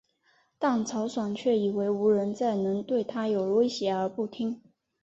但曹爽却以为无人再能对他有威胁而不听。